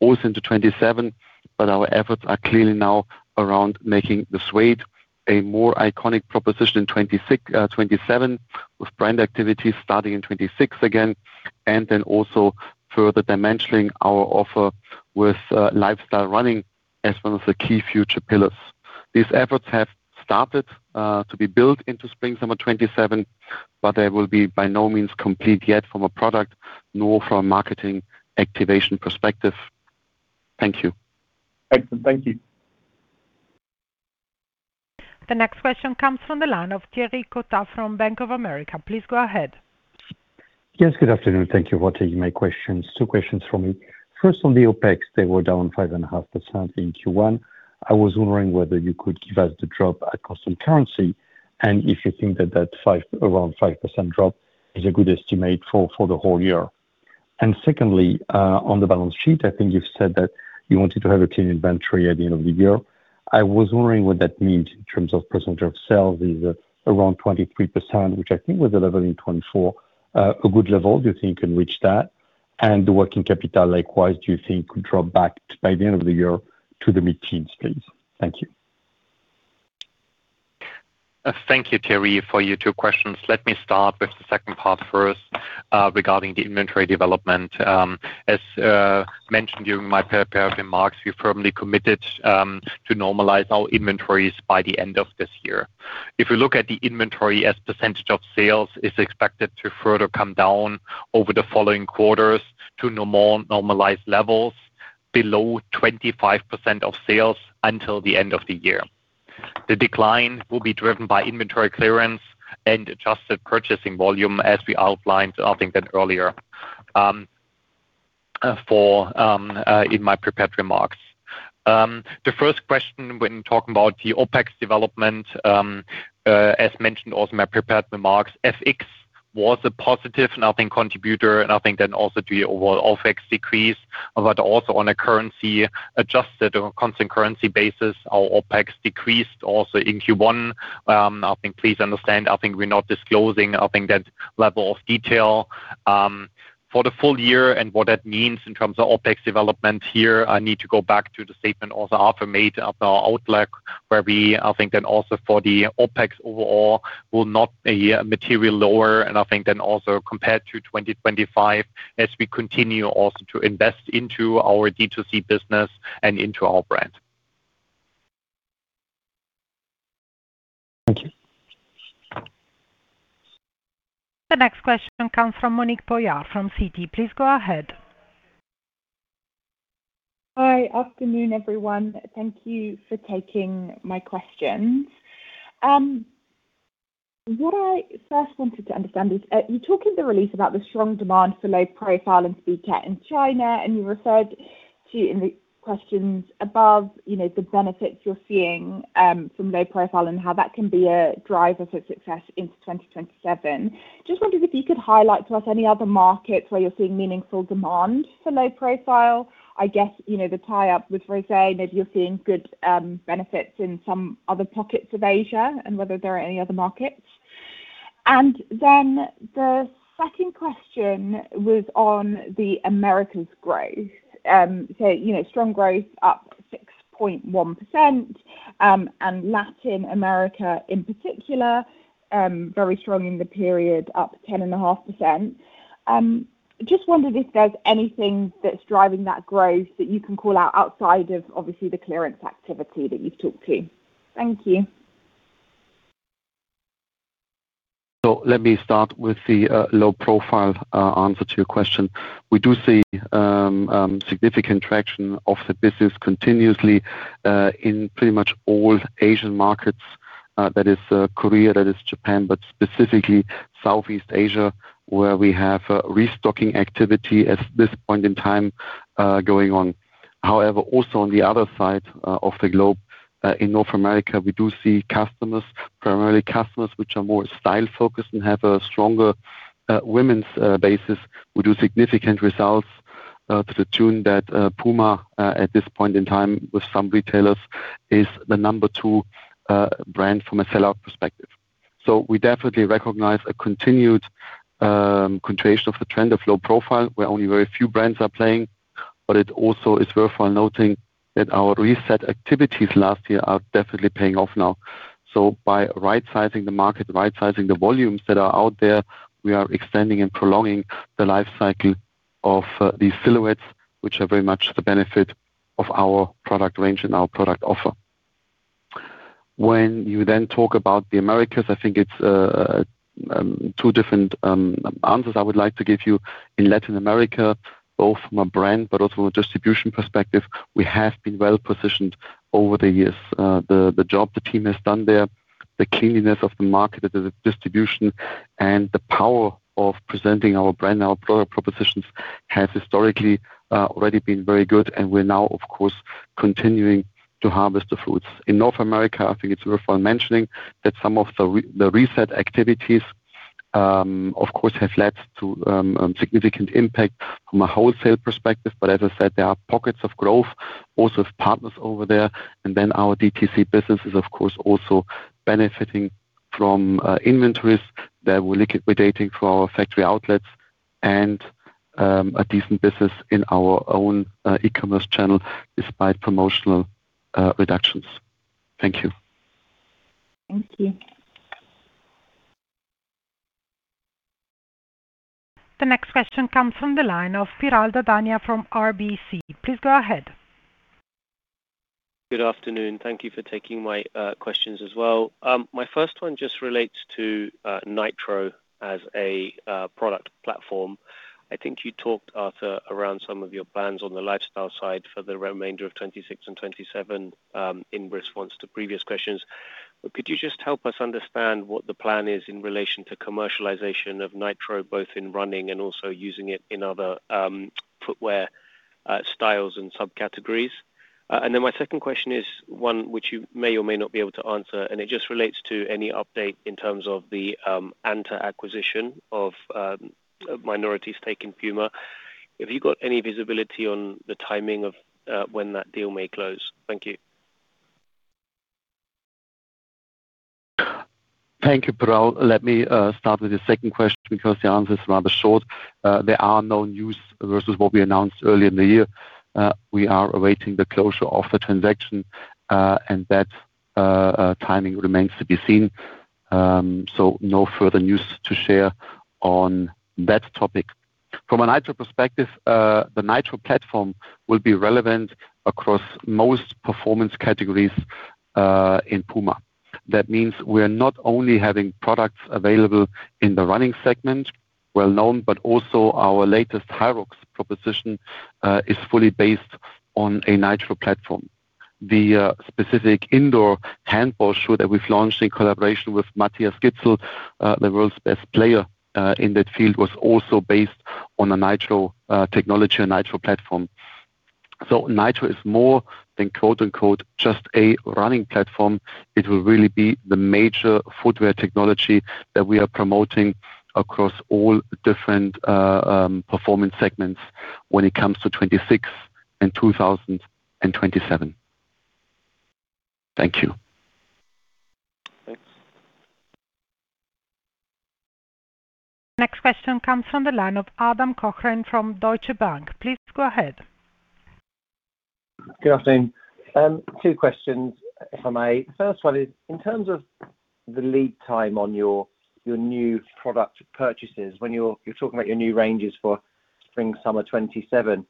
also into 2027. Our efforts are clearly now around making the Suede a more iconic proposition in 2026, 2027 with brand activities starting in 2026 again, and then also further dimensioning our offer with lifestyle running as one of the key future pillars. These efforts have started to be built into spring/summer 2027, but they will be by no means complete yet from a product nor from a marketing activation perspective. Thank you.
Excellent. Thank you.
The next question comes from the line of Thierry Cota from Bank of America. Please go ahead.
Yes, good afternoon. Thank you for taking my questions. Two questions for me. First, on the OpEx, they were down 5.5% in Q1. I was wondering whether you could give us the drop at constant currency, and if you think that around 5% drop is a good estimate for the whole year. Secondly, on the balance sheet, I think you've said that you wanted to have a clean inventory at the end of the year. I was wondering what that meant in terms of percentage of sales. Is it around 23%, which I think was the level in 2024, a good level, do you think, in which that and the working capital, likewise, do you think could drop back by the end of the year to the mid-teens, please? Thank you.
Thank you, Thierry, for your two questions. Let me start with the second part first regarding the inventory development. As mentioned during my prepared remarks, we firmly committed to normalize our inventories by the end of this year. If you look at the inventory as percentage of sales, it's expected to further come down over the following quarters to normalized levels below 25% of sales until the end of the year. The decline will be driven by inventory clearance and adjusted purchasing volume as we outlined, I think that earlier, in my prepared remarks. The first question when talking about the OpEx development, as mentioned also in my prepared remarks, FX was a positive, and I think contributor and then also to the overall OpEx decrease. Also on a currency-adjusted or constant currency basis, our OpEx decreased also in Q1. I think please understand, we're not disclosing that level of detail for the full year and what that means in terms of OpEx development here. I need to go back to the statement also Arthur made of our outlook, where I think then also for the OpEx overall will not be material lower. I think then also compared to 2025, as we continue also to invest into our D2C business and into our brand.
Thank you.
The next question comes from Monique Pollard from Citi. Please go ahead.
Hi. Afternoon, everyone. Thank you for taking my questions. What I first wanted to understand is, you talk in the release about the strong demand for Low Profile and Speedcat in China, and you referred to in the questions above, you know, the benefits you are seeing from Low Profile and how that can be a driver for success into 2027. Just wondered if you could highlight to us any other markets where you are seeing meaningful demand for Low Profile. I guess, you know, the tie-up with Rosé, maybe you are seeing good benefits in some other pockets of Asia and whether there are any other markets. The second question was on the Americas' growth. You know, strong growth up 6.1%, and Latin America in particular, very strong in the period, up 10.5%. Just wondered if there's anything that's driving that growth that you can call out outside of, obviously, the clearance activity that you've talked to. Thank you.
Let me start with the Low Profile answer to your question. We do see significant traction of the business continuously in pretty much all Asian markets. That is Korea, that is Japan, but specifically Southeast Asia, where we have restocking activity at this point in time going on. However, also on the other side of the globe, in North America, we do see customers, primarily customers which are more style-focused and have a stronger women's basis, who do significant results to the tune that PUMA at this point in time, with some retailers, is the number two brand from a sellout perspective. We definitely recognize a continued continuation of the trend of Low Profile, where only very few brands are playing. It also is worthwhile noting that our reset activities last year are definitely paying off now. By right-sizing the market, right-sizing the volumes that are out there, we are extending and prolonging the life cycle of these silhouettes, which are very much the benefit of our product range and our product offer. When you talk about the Americas, I think it's two different answers I would like to give you. In Latin America, both from a brand but also from a distribution perspective, we have been well-positioned over the years. The job the team has done there, the cleanliness of the market, the distribution, and the power of presenting our brand, our product propositions, has historically already been very good, and we're now, of course, continuing to harvest the fruits. In North America, I think it's worthwhile mentioning that some of the reset activities, of course, have led to significant impact from a wholesale perspective. As I said, there are pockets of growth also with partners over there. Our DTC business is, of course, also benefiting from inventories that we're liquidating for our factory outlets and a decent business in our own e-commerce channel despite promotional reductions. Thank you.
Thank you.
The next question comes from the line of Piral Dadhania from RBC. Please go ahead.
Good afternoon. Thank you for taking my questions as well. My first one just relates to NITRO as a product platform. I think you talked, Arthur, around some of your plans on the lifestyle side for the remainder of 2026 and 2027, in response to previous questions. Could you just help us understand what the plan is in relation to commercialization of NITRO, both in running and also using it in other footwear styles and subcategories? My second question is one which you may or may not be able to answer, and it just relates to any update in terms of the Anta acquisition of a minority stake in PUMA. Have you got any visibility on the timing of when that deal may close? Thank you.
Thank you, Piral. Let me start with your second question because the answer is rather short. There are no news versus what we announced earlier in the year. We are awaiting the closure of the transaction, and that timing remains to be seen. No further news to share on that topic. From a NITRO perspective, the NITRO platform will be relevant across most performance categories in PUMA. That means we are not only having products available in the running segment, well known, but also our latest HYROX proposition is fully based on a NITRO platform. The specific indoor handball shoe that we've launched in collaboration with Mathias Gidsel, the world's best player in that field, was also based on a NITRO technology, a NITRO platform. NITRO is more than, quote-unquote, "Just a running platform." It will really be the major footwear technology that we are promoting across all different performance segments when it comes to 2026 and 2027. Thank you.
Thanks.
Next question comes from the line of Adam Cochrane from Deutsche Bank. Please go ahead.
Good afternoon. Two questions, if I may. First one is, in terms of the lead time on your new product purchases, when you are talking about your new ranges for spring/summer 2027,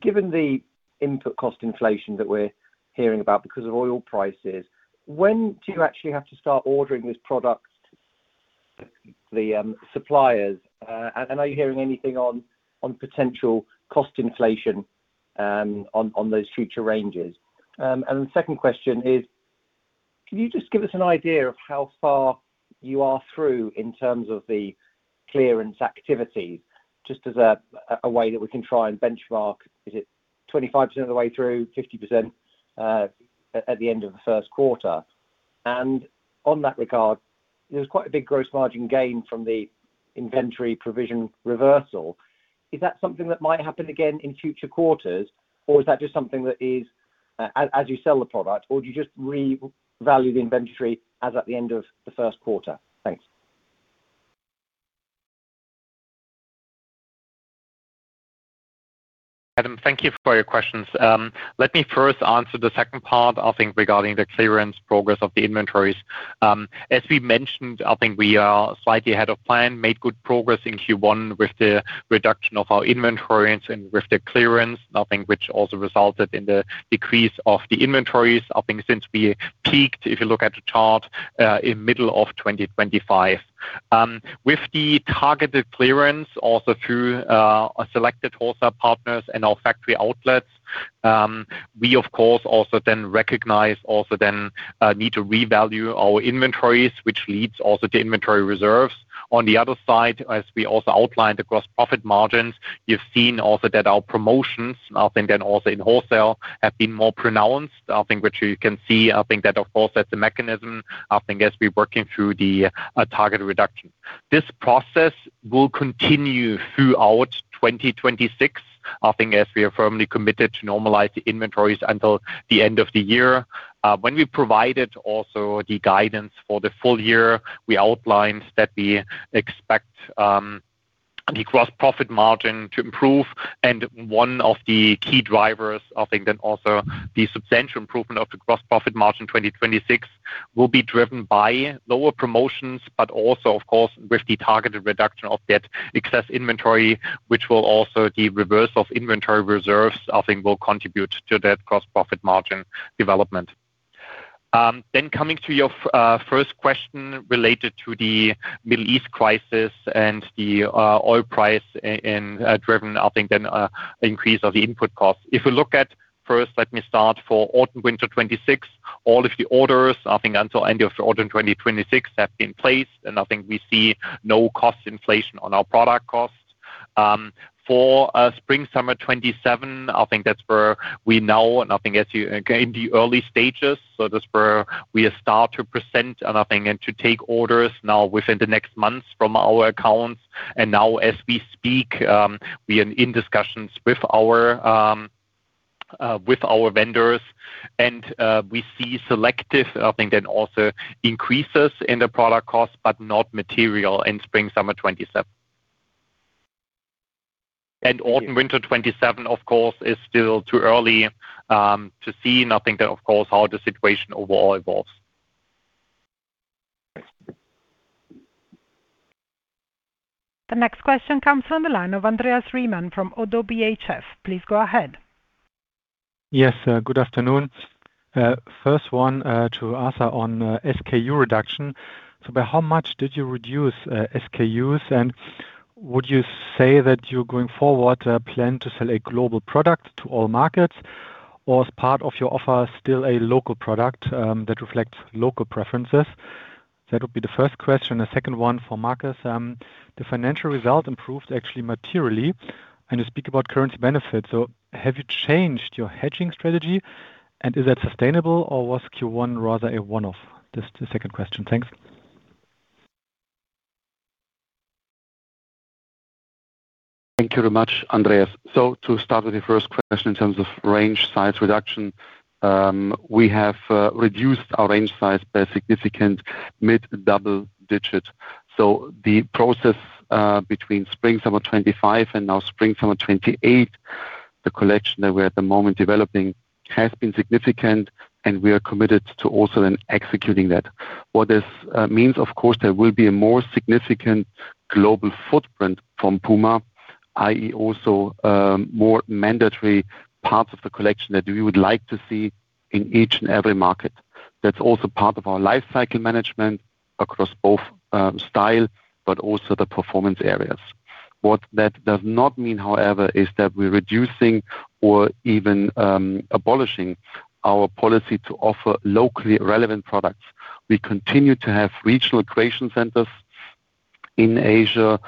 given the input cost inflation that we are hearing about because of oil prices, when do you actually have to start ordering these products the suppliers? Are you hearing anything on potential cost inflation on those future ranges? The second question is, can you just give us an idea of how far you are through in terms of the clearance activities, just as a way that we can try and benchmark? Is it 25% of the way through, 50% at the end of the first quarter? On that regard, there is quite a big gross margin gain from the inventory provision reversal. Is that something that might happen again in future quarters, or is that just something that is? As you sell the product, or do you just revalue the inventory as at the end of the first quarter? Thanks.
Adam, thank you for your questions. Let me first answer the second part regarding the clearance progress of the inventories. As we mentioned, we are slightly ahead of plan, made good progress in Q1 with the reduction of our inventories and with the clearance, which also resulted in the decrease of the inventories, since we peaked, if you look at the chart, in middle of 2025. With the targeted clearance also through our selected wholesale partners and our factory outlets, we of course also then recognize need to revalue our inventories, which leads also to inventory reserves. On the other side, as we also outlined across profit margins, you've seen also that our promotions, I think then also in wholesale, have been more pronounced, I think, which you can see, I think, that of course, that's a mechanism, I think, as we're working through the target reduction. This process will continue throughout 2026, I think, as we are firmly committed to normalize the inventories until the end of the year. When we provided also the guidance for the full year, we outlined that we expect the gross profit margin to improve. One of the key drivers, I think, also the substantial improvement of the gross profit margin in 2026 will be driven by lower promotions, but also, of course, with the targeted reduction of that excess inventory, which will also the reverse of inventory reserves, I think, will contribute to that gross profit margin development. Coming to your first question related to the Middle East crisis and the oil price driven, I think, increase of the input costs. If we look at first, let me start for autumn/winter 2026. All of the orders, I think, until end of autumn 2026 have been placed, we see no cost inflation on our product costs. For spring/summer 2027, I think that's where we now, I think, as you, again, the early stages. That's where we start to present, and I think, and to take orders now within the next months from our accounts. Now, as we speak, we are in discussions with our vendors, and we see selective, I think, then also increases in the product costs, but not material in spring/summer 2027. Autumn/winter 2027, of course, is still too early to see, and I think that, of course, how the situation overall evolves.
Thanks.
The next question comes from the line of Andreas Riemann from ODDO BHF. Please go ahead.
Good afternoon. First one to Arthur on SKU reduction. By how much did you reduce SKUs? Would you say that you're going forward plan to sell a global product to all markets or, as part of your offer, still a local product that reflects local preferences? That would be the first question. The second one for Markus. The financial result improved actually materially, and you speak about currency benefits. Have you changed your hedging strategy? Is that sustainable, or was Q1 rather a one-off? That's the second question. Thanks.
Thank you very much, Andreas. To start with the first question, in terms of range size reduction, we have reduced our range size by a significant mid-double digit. The process between spring/summer 2025 and now spring/summer 2028, the collection that we are at the moment developing has been significant, and we are committed to also then executing that. What this means, of course, there will be a more significant global footprint from PUMA, i.e. also, more mandatory parts of the collection that we would like to see in each and every market. That is also part of our life cycle management across both style but also the performance areas. What that does not mean, however, is that we are reducing or even abolishing our policy to offer locally relevant products. We continue to have regional creation centers in Asia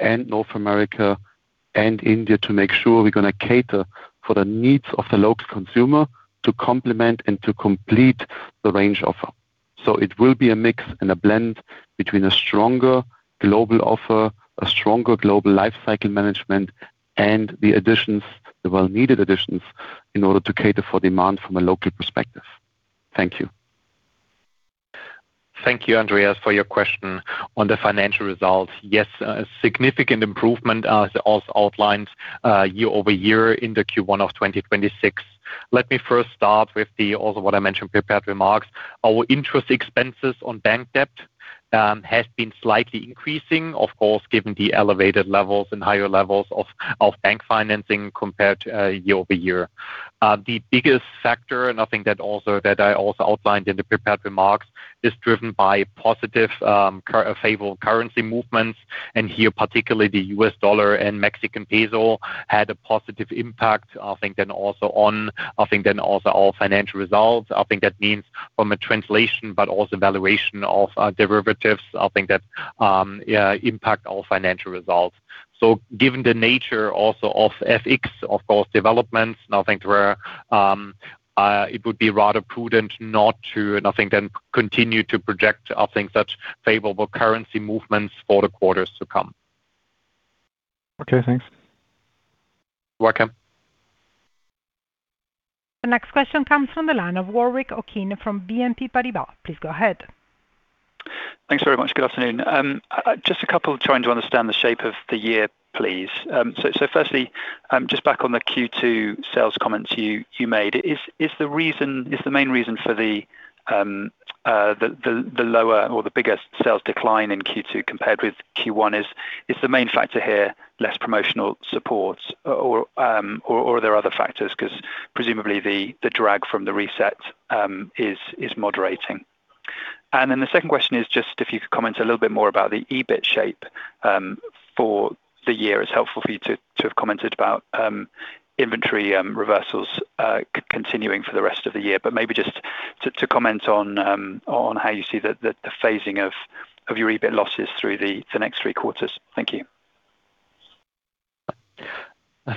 and North America, and India to make sure we're gonna cater for the needs of the local consumer to complement and to complete the range offer. It will be a mix and a blend between a stronger global offer, a stronger global life cycle management, and the additions, the well-needed additions, in order to cater for demand from a local perspective. Thank you.
Thank you, Andreas, for your question on the financial results. Yes, a significant improvement as outlined, year-over-year in the Q1 of 2026. Let me first start with the, also what I mentioned, prepared remarks. Our interest expenses on bank debt has been slightly increasing, of course, given the elevated levels and higher levels of bank financing compared to year-over-year. The biggest factor, and I think that I also outlined in the prepared remarks, is driven by positive, favorable currency movements, and here, particularly the U.S. dollar and Mexican peso had a positive impact, I think, then also on our financial results. I think that means from a translation but also valuation of derivatives, I think that impact our financial results. Given the nature also of FX, of those developments, and I think where, it would be rather prudent not to, and I think then continue to project, I think, such favorable currency movements for the quarters to come.
Okay, thanks.
You're welcome.
The next question comes from the line of Warwick Okines from BNP Paribas. Please go ahead.
Thanks very much. Good afternoon. Just a couple trying to understand the shape of the year, please. Firstly, just back on the Q2 sales comments you made. Is the main reason for the lower or the biggest sales decline in Q2 compared with Q1 is the main factor here, less promotional support? Are there other factors? 'Cause presumably the drag from the reset is moderating. The second question is just if you could comment a little bit more about the EBIT shape for the year. It's helpful for you to have commented about inventory reversals continuing for the rest of the year. Maybe just to comment on how you see the phasing of your EBIT losses through the next three quarters. Thank you.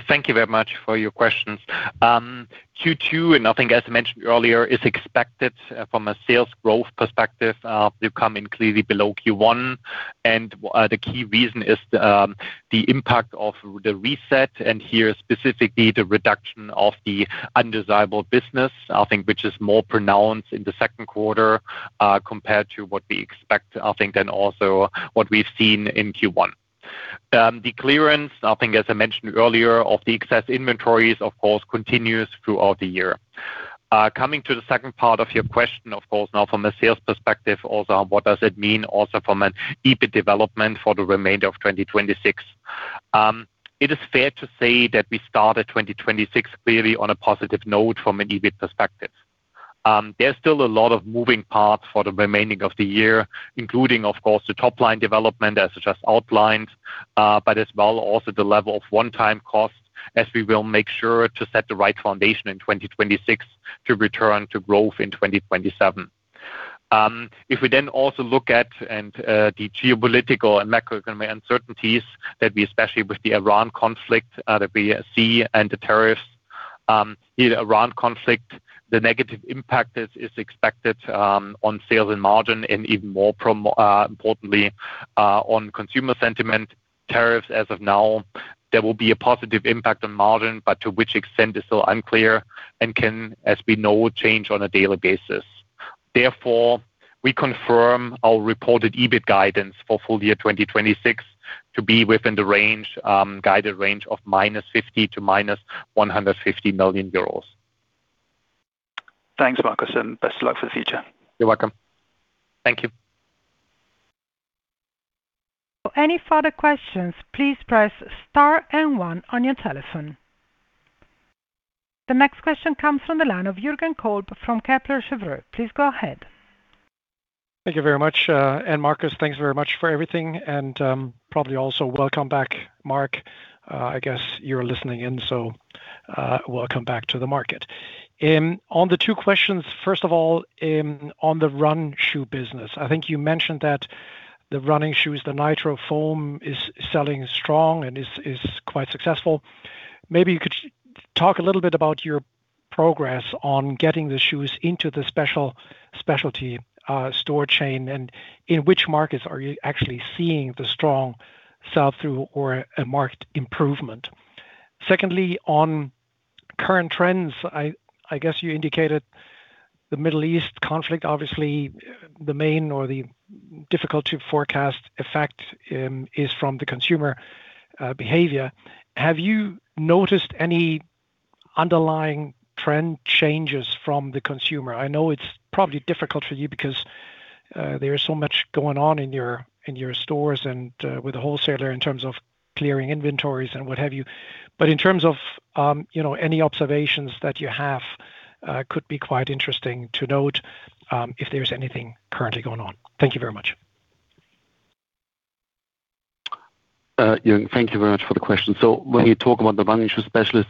Thank you very much for your questions. Q2, as mentioned earlier, is expected from a sales growth perspective to come in clearly below Q1. The key reason is the impact of the reset, and here specifically the reduction of the undesirable business, which is more pronounced in the second quarter compared to what we expect than also what we've seen in Q1. The clearance, as I mentioned earlier, of the excess inventories, of course, continues throughout the year. Coming to the second part of your question, of course, now from a sales perspective also, what does it mean also from an EBIT development for the remainder of 2026? It is fair to say that we started 2026 clearly on a positive note from an EBIT perspective. There are still a lot of moving parts for the remaining of the year, including, of course, the top line development as just outlined, but as well also the level of one-time costs, as we will make sure to set the right foundation in 2026 to return to growth in 2027. If we then also look at the geopolitical and macroeconomic uncertainties that we, especially with the Iran conflict, the BSC and the tariffs, the Iran conflict, the negative impact is expected on sales and margin and even more importantly on consumer sentiment. Tariffs as of now, there will be a positive impact on margin, but to which extent is still unclear and can, as we know, change on a daily basis. Therefore, we confirm our reported EBIT guidance for full year 2026 to be within the guided range of -50 million to -150 million euros
Thanks, Markus, and best of luck for the future.
You're welcome. Thank you.
Any further questions, please press star one on your telephone. The next question comes from the line of Jürgen Kolb from Kepler Cheuvreux. Please go ahead.
Thank you very much, and Markus, thanks very much for everything and probably also welcome back, Mark. I guess you're listening in, so welcome back to the market. On the two questions, first of all, on the run shoe business. I think you mentioned that the running shoes, the NITRO foam is selling strong and is quite successful. Maybe you could talk a little bit about your progress on getting the shoes into the specialty store chain, and in which markets are you actually seeing the strong sell-through or a marked improvement? Secondly, on current trends, I guess you indicated the Middle East conflict, obviously, the main or the difficult to forecast effect is from the consumer behavior. Have you noticed any underlying trend changes from the consumer? I know it's probably difficult for you because there is so much going on in your, in your stores and with the wholesaler in terms of clearing inventories and what have you. In terms of, you know, any observations that you have could be quite interesting to note if there's anything currently going on. Thank you very much.
Jürgen, thank you very much for the question. When you talk about the running shoe specialist,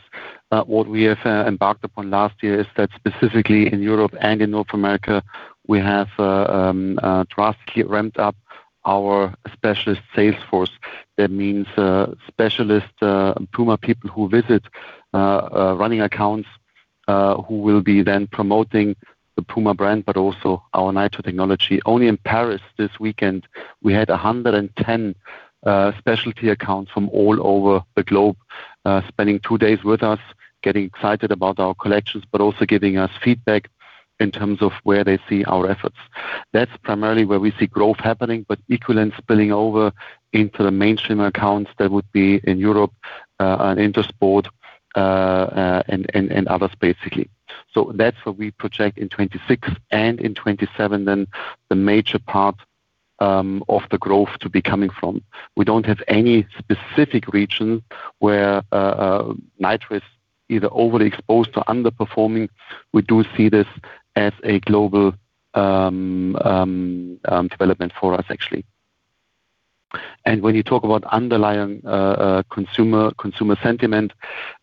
what we have embarked upon last year is that specifically in Europe and in North America, we have drastically ramped up our specialist sales force. That means specialist PUMA people who visit running accounts, who will be then promoting the PUMA brand, but also our NITRO technology. Only in Paris this weekend, we had 110 specialty accounts from all over the globe, spending two days with us, getting excited about our collections, but also giving us feedback in terms of where they see our efforts. That is primarily where we see growth happening, but equivalent spilling over into the mainstream accounts that would be in Europe, and Intersport, and others basically. That's what we project in 2026 and in 2027, then the major part of the growth to be coming from. We don't have any specific region where NITRO is either overly exposed to underperforming. We do see this as a global development for us, actually. When you talk about underlying consumer sentiment,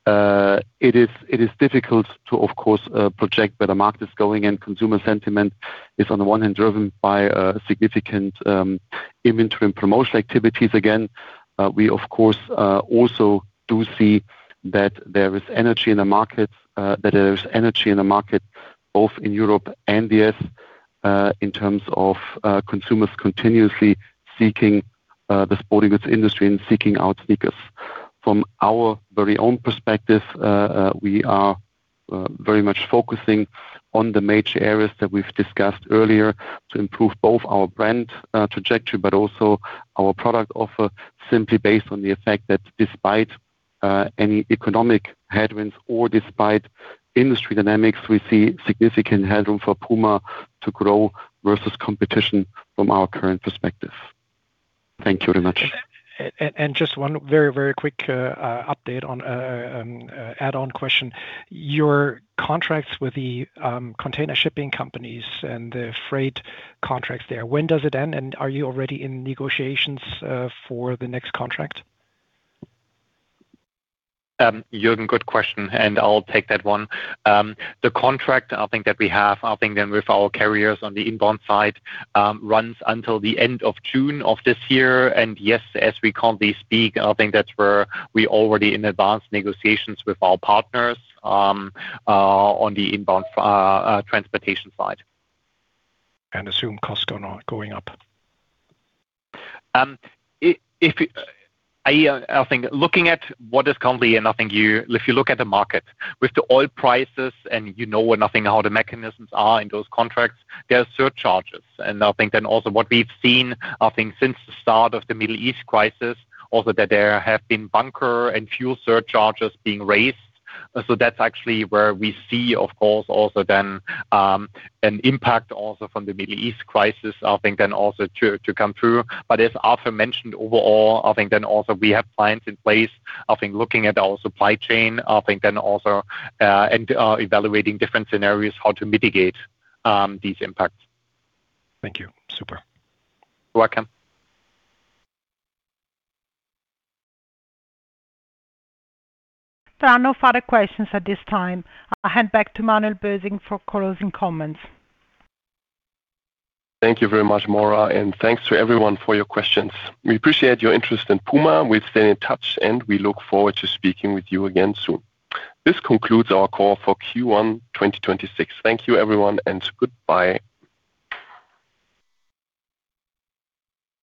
it is difficult to, of course, project where the market is going, and consumer sentiment is, on the one hand, driven by significant inventory and promotion activities again. We of course also do see that there is energy in the markets, that there is energy in the market, both in Europe and the U.S. In terms of consumers continuously seeking the sporting goods industry and seeking out sneakers. From our very own perspective, we are very much focusing on the major areas that we've discussed earlier to improve both our brand trajectory but also our product offer, simply based on the effect that despite any economic headwinds or despite industry dynamics, we see significant headroom for PUMA to grow versus competition from our current perspective. Thank you very much.
Just one very quick update on add-on question. Your contracts with the container shipping companies and the freight contracts there, when does it end? Are you already in negotiations for the next contract?
Jürgen, good question, and I'll take that one. The contract I think, that we have, I think then with our carriers on the inbound side, runs until the end of June of this year. Yes, as we currently speak, I think that's where we already in advanced negotiations with our partners on the inbound transportation side.
Assume costs are not going up.
I think looking at what is currently, and I think if you look at the market with the oil prices and you know where nothing, how the mechanisms are in those contracts, there are surcharges. I think then also what we've seen, I think since the start of the Middle East crisis, also that there have been bunker and fuel surcharges being raised. That's actually where we see, of course, also then, an impact also from the Middle East crisis, I think, then also to come through. As Arthur mentioned, overall, I think then also we have plans in place. I think, looking at our supply chain, I think then also, and evaluating different scenarios, how to mitigate these impacts.
Thank you. Super.
You're welcome.
There are no further questions at this time. I'll hand back to Manuel Bösing for closing comments.
Thank you very much, Maura, and thanks to everyone for your questions. We appreciate your interest in PUMA. We'll stay in touch, and we look forward to speaking with you again soon. This concludes our call for Q1 2026. Thank you, everyone, and goodbye.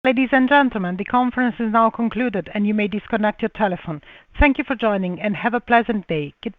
Ladies and gentlemen, the conference is now concluded, and you may disconnect your telephone. Thank you for joining, and have a pleasant day. Goodbye.